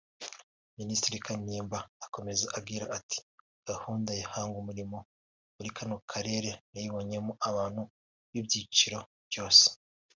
Minisitiri Kanimba akomeza agira ati “Gahunda ya Hangumurimo muri kano karere nayibonyemo abantu b’ibyiciro byose